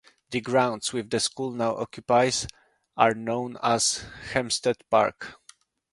The grounds which the school now occupies are known as Hemsted Park.